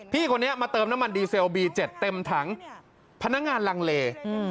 พี่คนนี้มาเติมน้ำมันดีเซลบีเจ็ดเต็มถังพนักงานลังเล